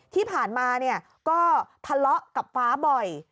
ที่ผ่านมาก็ทะเลาะกับฟ้าบ่อย